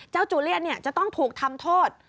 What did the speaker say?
จูเลียนจะต้องถูกทำโทษ